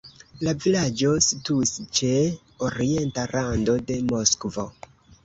La vilaĝo situis ĉe orienta rando de Moskvo.